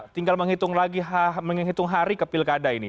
tinggal menghitung hari ke pilkada ini